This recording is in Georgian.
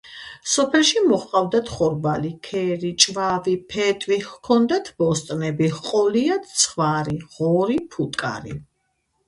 სოფელში მოჰყავდათ ხორბალი, ქერი, ჭვავი, ფეტვი, ჰქონდათ ბოსტნები; ჰყოლიათ ცხვარი, ღორი, ფუტკარი.